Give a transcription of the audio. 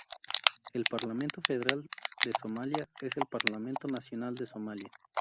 El Parlamento Federal de Somalia es el parlamento nacional de Somalia.